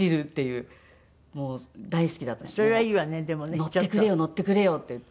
「乗ってくれよ乗ってくれよ」って言って。